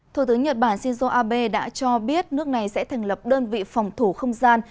thủ tướng nhật bản shinzo abe đã cho biết nước này sẽ thành lập đơn vị phòng thủ không gian